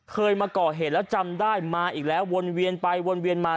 เคยมาก่อเหตุแล้วจำได้มาอีกแล้ววนเวียนไปวนเวียนมา